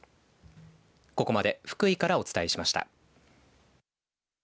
ここまで福井からお伝えしました。